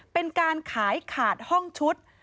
เป็นการขายขาดห้องชุด